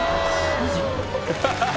マジ？